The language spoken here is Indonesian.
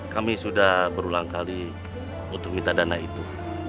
kami sudah berulang kali untuk minta dana itu